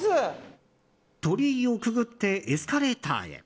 鳥居をくぐってエスカレーターへ。